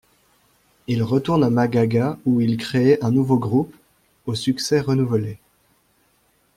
Il retourne à Maghagha ou il crée un nouveau groupe, au succès renouvelé.